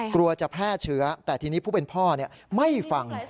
กลัวจะแพร่เชื้อแต่ทีนี้ผู้เป็นพ่อไม่ฟัง